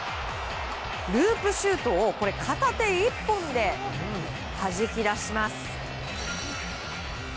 ループシュートを片手１本ではじき出します。